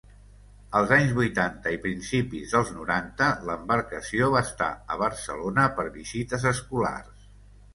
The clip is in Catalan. Als anys vuitanta i principis dels noranta l'embarcació va estar a Barcelona per visites escolars.